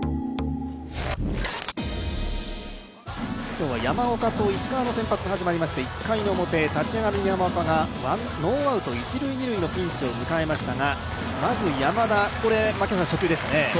今日は山岡と石川の先発から始まりまして、１回の表、立ち上がり、山岡がノーアウト一塁・二塁のピンチを迎えましたがまず山田、初球ですね。